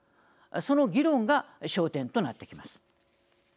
その議論が焦点となってきます。